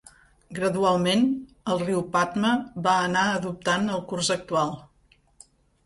Gradualment, el riu Padma va anar adoptant el curs actual.